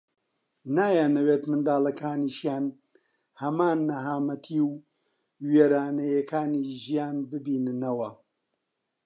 نایانەوێت منداڵەکانیشیان هەمان نەهامەتی و وێرانەییەکانی ژیان ببیننەوە